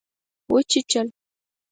وچیچل